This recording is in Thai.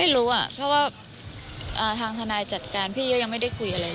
รู้อ่ะเพราะว่าทางทนายจัดการพี่ก็ยังไม่ได้คุยอะไร